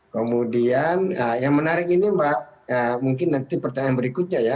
kemudian yang menarik ini pak mungkin nanti pertanyaan berikutnya